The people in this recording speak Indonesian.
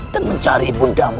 dan mencari bundamu